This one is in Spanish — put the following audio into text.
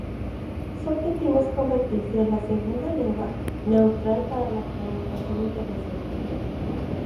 Su objetivo es convertirse en la segunda lengua neutral para la comunicación internacional.